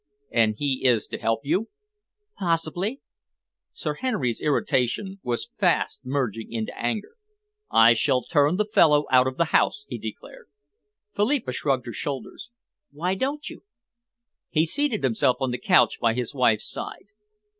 And he is to help you?" "Possibly." Sir Henry's irritation was fast merging into anger. "I shall turn the fellow out of the house," he declared. Philippa shrugged her shoulders. "Why don't you?" He seated himself on the couch by his wife's side.